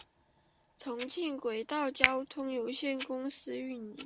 重庆轨道交通有限公司运营。